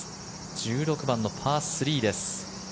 １６番のパー３です。